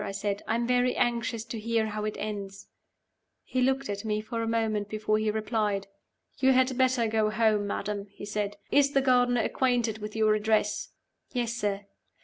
I said. "I am very anxious to hear how it ends." He looked at me for a moment before he replied. "You had better go home, madam," he said. "Is the gardener acquainted with your address?" "Yes, sir."